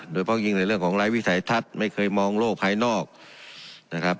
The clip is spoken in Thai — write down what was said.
โดยเพราะยิ่งในเรื่องของไร้วิสัยทัศน์ไม่เคยมองโลกภายนอกนะครับ